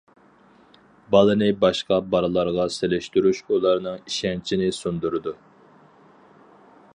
بالىنى باشقا بالىلارغا سېلىشتۇرۇش ئۇلارنىڭ ئىشەنچىنى سۇندۇرىدۇ.